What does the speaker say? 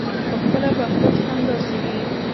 پخپله به خود همداسې وي.